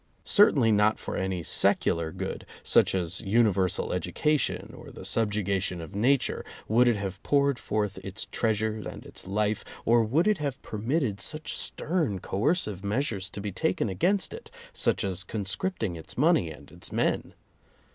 Certainly not for any secular good, such as universal education or the subjugation of nature, would it have poured forth its treasure and its life, or would it have permitted such stern coercive measures to be taken against it, such as conscripting its money and its men.